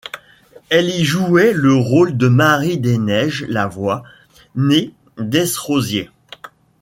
Elle y jouait le rôle de Marie-des-Neiges Lavoie née Desrosiers.